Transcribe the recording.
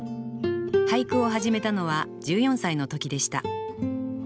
俳句を始めたのは１４歳の時でした。